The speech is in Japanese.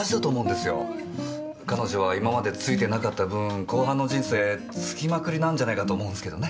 彼女は今までツイてなかった分後半の人生ツキまくりなんじゃないかと思うんすけどね。